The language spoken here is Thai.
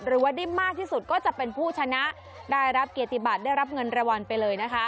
หรือว่าได้มากที่สุดก็จะเป็นผู้ชนะได้รับเกียรติบัตรได้รับเงินรางวัลไปเลยนะคะ